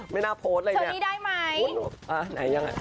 ไม่น่าโพสต์เลยเนี่ย